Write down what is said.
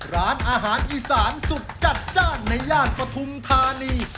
ร้านอาหารอีสานสุดจัดจ้านในย่านปฐุมธานี